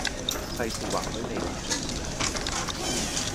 世事或許未能盡如人意